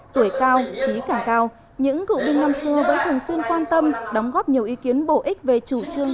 tuổi cao trí càng cao những cựu binh năm xưa vẫn thường xuyên quan tâm đóng góp nhiều ý kiến bổ ích về chủ trương